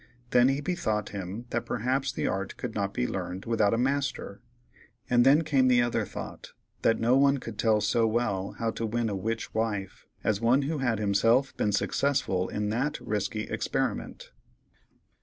Then he bethought him that perhaps the art could not be learned without a master; and then came the other thought that no one could tell so well how to win a witch wife as one who had himself been successful in that risky experiment.